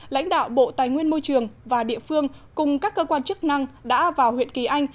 lãnh đạo bộ tài nguyên môi trường và địa phương cùng các cơ quan chức năng đã vào huyện kỳ anh